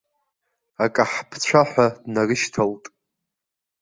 Акаҳԥцәа ҳәа днарышьҭалт.